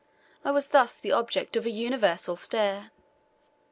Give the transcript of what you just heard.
I was thus the object of a universal stare.